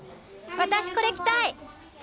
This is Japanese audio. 私これ着たい。